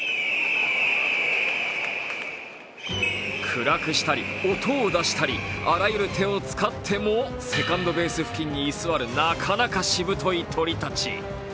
暗くしたり音を出したりあらゆる手を使ってもセカンドベース付近に居座るなかなかしぶとい鳥たち。